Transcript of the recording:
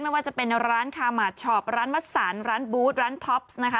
ไม่ว่าจะเป็นร้านคามาร์ทชอปร้านมัสสันร้านบูธร้านท็อปนะคะ